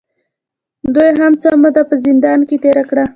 دوې هم څۀ موده پۀ زندان کښې تېره کړه